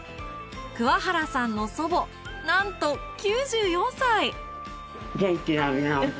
桑原さんの祖母なんと９４歳！